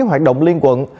hoạt động liên quận